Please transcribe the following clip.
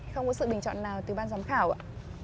không có sự bình chọn nào từ ban giám khảo ạ